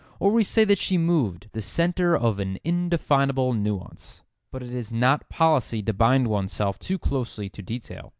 Or we say that she moved, the centre of an indefinable nuance. But it is not policy to bind oneself too closely to detail.